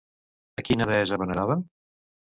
A quina deessa venerava?